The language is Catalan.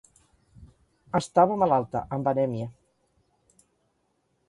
Estava malalta, amb anèmia.